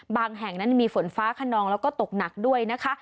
แห่งนั้นมีฝนฟ้าขนองแล้วก็ตกหนักด้วยนะคะ